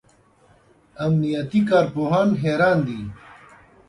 امنیتي کارپوهان حیران دي.